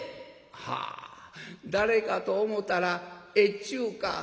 「はあ誰かと思たら越中か」。